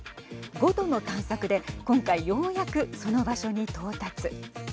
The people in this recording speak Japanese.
５度の探索で今回ようやくその場所に到達。